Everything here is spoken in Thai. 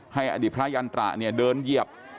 ให้อดีตพระยันตราเดินเยียบ